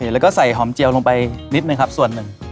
แล้วก็ใส่หอมเจียวลงไปนิดนึงครับส่วนหนึ่ง